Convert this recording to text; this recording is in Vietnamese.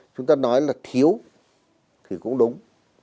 chúng ta nói là thiếu thì cũng đúng